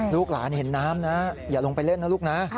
ลูกหลานเห็นน้ำนะอย่าลงไปเล่นนะลูกนะ